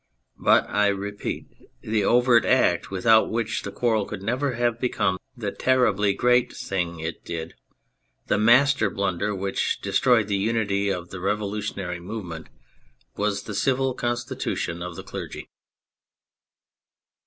But, I repeat, the overt act without which the quarrel could never have become the terribly great thing it did, the master blunder which destroyed the unity of the revolutionary movement, was the Civil Constitution of the Clergy.